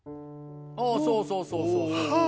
あそうそうそうそう。